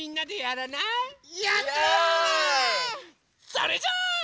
それじゃあ。